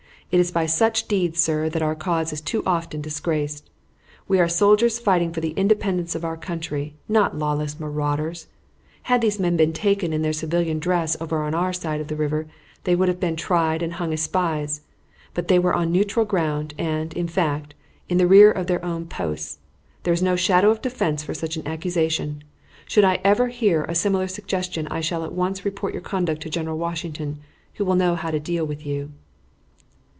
It is by such deeds, sir, that our cause is too often disgraced. We are soldiers fighting for the independence of our country not lawless marauders. Had these men been taken in their civilian dress over on our side of the river they would have been tried and hung as spies; but they were on neutral ground, and, in fact, in the rear of their own posts. There is no shadow of defense for such an accusation. Should I ever hear a similar suggestion I shall at once report your conduct to General Washington, who will know how to deal with you."